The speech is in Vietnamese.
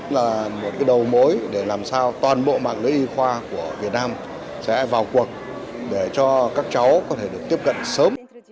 là một đầu mối để làm sao toàn bộ mạng lưới khoa của việt nam sẽ vào cuộc để cho các cháu có thể được tiếp cận sớm